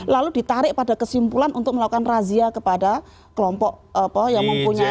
lalu ditarik pada kesimpulan untuk melakukan razia kepada kelompok yang mempunyai